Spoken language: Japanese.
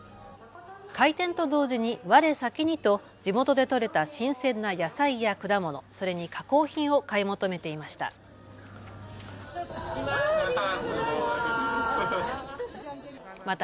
開店と同時にわれさきにと地元で採れた新鮮な野菜や果物、それに加工品を買い求めていました。